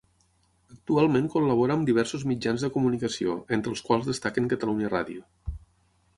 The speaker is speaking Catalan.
Actualment col·labora amb diversos mitjans de comunicació, entre els quals destaquen Catalunya Ràdio.